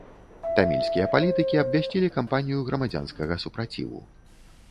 Тамільскія палітыкі абвясцілі кампанію грамадзянскага супраціву.